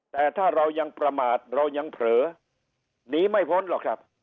แต่ถ้าเรายังประมาทเรายังเผลอหนีไม่พ้นหรอกครับ